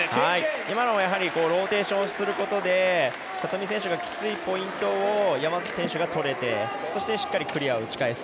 今のはローテーションすることで里見選手がきついポイントを山崎選手がとれて、そしてしっかりクリアを打ち返す。